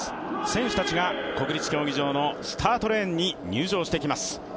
選手たちが国立競技場のスタートレーンに入場してきます。